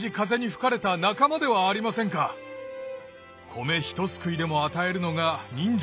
米ひとすくいでも与えるのが人情。